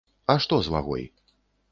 А што з вагой?